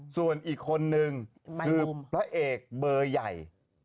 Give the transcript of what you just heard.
ส่วนอีกคนนึงคือพระเอกเบอร์ใหญ่